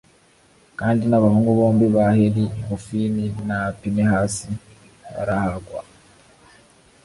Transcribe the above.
kandi n'abahungu bombi ba heli, hofini na pinehasi, barahagwa